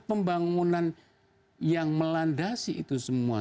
pembangunan yang melandasi itu semua